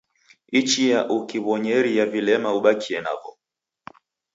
Ichia ukiw'onyeria vilema ubakie navo